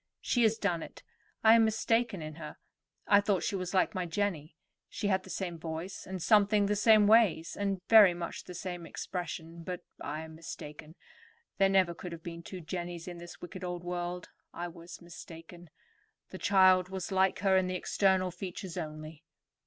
"She has done it; I am mistaken in her. I thought she was like my Jenny. She had the same voice, and something the same ways, and very much the same expression; but I am mistaken. There never could have been two Jennies in this wicked old world. I was mistaken. The child was like her in the external features only."